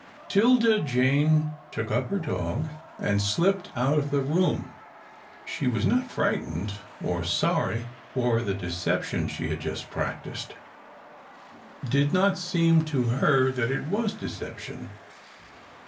'Tilda Jane took up her dog, and slipped out of the room. She was not frightened or sorry for the deception she had just practised. It did not seem to her that it was deception.